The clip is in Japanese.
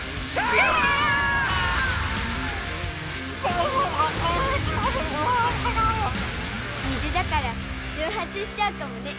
いや⁉水だからじょうはつしちゃうかもね。